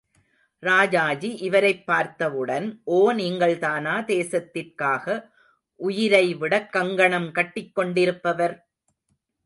ராஜாஜி இவரைப் பார்த்தவுடன் ஓ நீங்கள்தானா தேசத்திற்காக உயிரைவிடக்கங்கணம் கட்டிக்கொண்டிருப்பவர்?